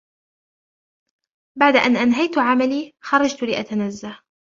بعد أن أنهيت عملي، خرجت لأتنزه.